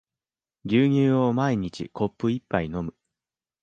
牛乳を毎日コップ一杯飲む